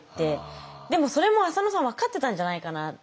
でもそれも浅野さん分かってたんじゃないかなと思って。